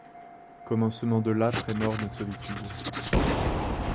Commencement de l’âpre et morne solitude!